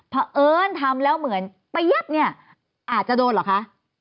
เพราะเอิญทำแล้วเหมือนเปี๊ยบเนี่ยอาจจะโดนเหรอคะ